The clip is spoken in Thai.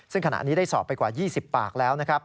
ซึ่งขณะนี้ได้สอบไปกว่า๒๐ปากแล้วนะครับ